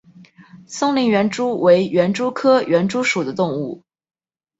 松林园蛛为园蛛科园蛛属的动物。